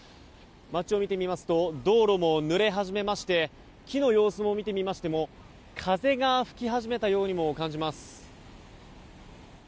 街を見てみますと道路もぬれ始めまして木の様子を見てみましても風が吹き始めたように感じます。